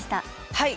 はい！